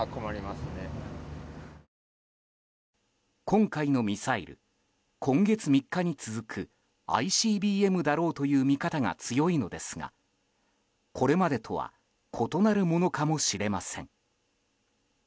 今回のミサイル今月３日に続くＩＣＢＭだろうという見方が強いのですがこれまでとは異なるものかもしれません。